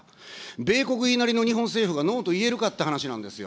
米国に言いなりの日本政府がノーと言えるかって話なんですよ。